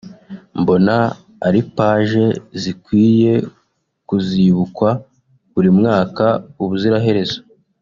Mbona ari pages zikwiye kuzibukwa buri mwaka ubuziraherezo